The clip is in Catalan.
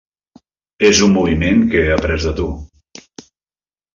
És un moviment que he après de tu.